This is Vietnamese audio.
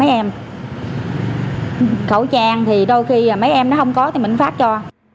mấy em khẩu trang thì đôi khi mấy em nó không có thì mình phát cho